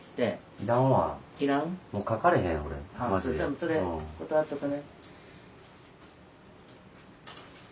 それ断っとくね。